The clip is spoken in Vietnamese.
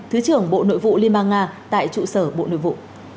thứ trưởng bộ nội vụ liên bang nga tại trụ sở bộ nội vụ